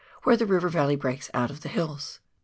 where the river valley breaks out of the hills.